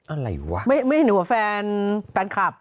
อะไรวะไม่เห็นหัวแฟนแฟนคลับ